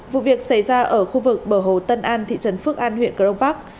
vụ việc xảy ra ở khu vực bờ hồ tân an thị trấn phước an huyện cờ đông bắc